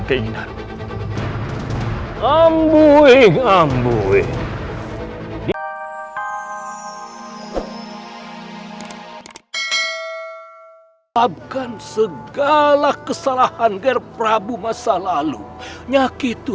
tim tim tim tim tim tim tim